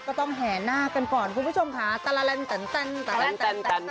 ก็ต้องแห่หน้ากันก่อนคุณผู้ชมค่ะตลาลันตันตันตลาลันตันตันตันตลาลันตันตัน